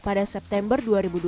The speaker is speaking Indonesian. pada september dua ribu dua puluh